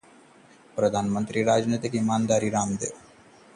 प्रधानमंत्री की राजनीतिक ईमानदारी संदेहास्पद: रामदेव